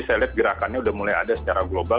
saya lihat gerakannya sudah mulai ada secara global